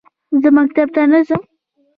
زه مکتب ته نه ځم